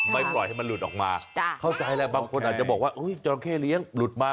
ปล่อยให้มันหลุดออกมาเข้าใจแล้วบางคนอาจจะบอกว่าจราเข้เลี้ยงหลุดมา